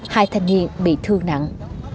hai thanh niên bị thương nặng